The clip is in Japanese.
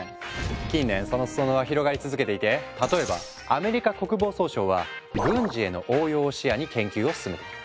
近年その裾野は広がり続けていて例えばアメリカ国防総省は軍事への応用を視野に研究を進めている。